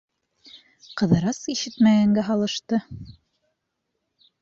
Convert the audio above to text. Ҡыҙырас ишетмәгәнгә һалышты.